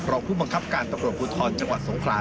รองผู้บังคับการตำรวจภูทรจังหวัดสงขลา